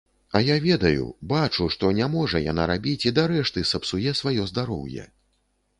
А я ведаю, бачу, што не можа яна рабіць і дарэшты сапсуе сваё здароўе.